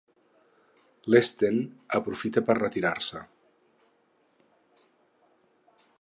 L'Sten aprofita per retirar-se.